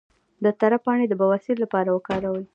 د تره پاڼې د بواسیر لپاره وکاروئ